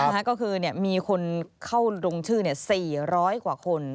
ก็คือมีคนเข้าลงชื่อ๔๐๐กว่าคน